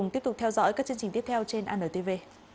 cùng tiếp tục theo dõi các chương trình tiếp theo trên anntv